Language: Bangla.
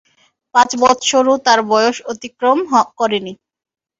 পাঁচ বৎসরও তার বয়স অতিক্রম করেনি।